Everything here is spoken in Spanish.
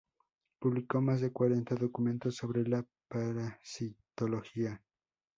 Publicó más de cuarenta documentos sobre la parasitología.